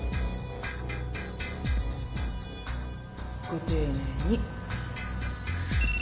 ご丁寧に。